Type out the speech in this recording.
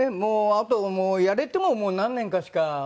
あとはやれてももう何年かしかね